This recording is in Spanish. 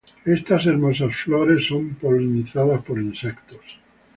Estas hermosas flores son polinizadas por insectos.